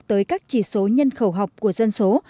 tới các chỉ số nhân khẩu học của dân số